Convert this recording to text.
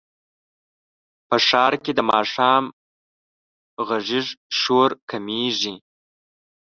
په ښار کې د ماښام غږیز شور کمېږي.